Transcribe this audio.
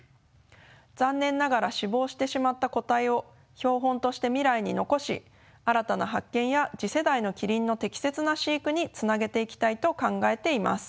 残念ながら死亡してしまった個体を標本として未来に残し新たな発見や次世代のキリンの適切な飼育につなげていきたいと考えています。